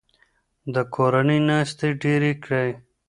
د کورنۍ ناستې ډیرې کړئ.